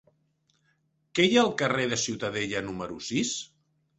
Què hi ha al carrer de Ciutadella número sis?